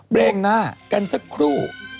เบรกกันสักครู่